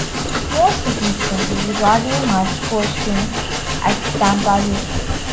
More significantly, Rodney Marsh coached him at Tampa Bay.